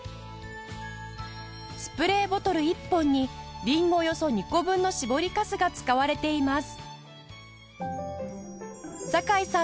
スプレーボトル１本にりんごおよそ２個分の搾りかすが使われています